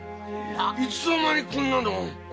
いつの間にこんなもの？